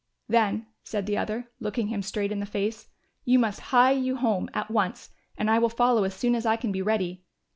"Then," said the other, looking him straight in the face, "you must hie you home at once and I will follow as soon as I can be ready.